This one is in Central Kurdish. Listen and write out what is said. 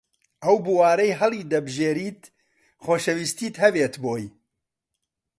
ئەو بوارەی هەڵیدەبژێریت خۆشەویستیت هەبێت بۆی